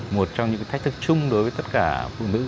một trong những thách thức chung đối với tất cả phụ nữ